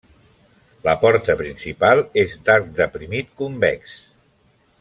La porta principal és d'arc deprimit convex.